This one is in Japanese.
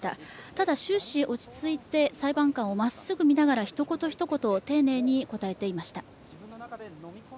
ただ、終始落ち着いて裁判官をまっすぐ見ながらひと言ひと言丁寧に答えていました。